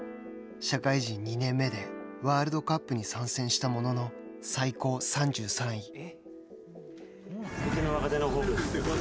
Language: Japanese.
社会人２年目でワールドカップに参戦したものの最高３３位。